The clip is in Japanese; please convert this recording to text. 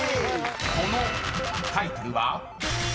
［このタイトルは？］